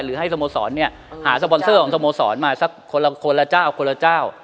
หรือให้สโมสรหาสปอนเซอร์ของสโมสรมาคนละเจ้าคนละเจ้า